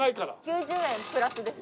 ９０円プラスです。